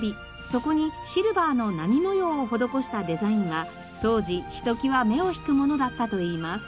そこにシルバーの波模様を施したデザインは当時ひときわ目を引くものだったといいます。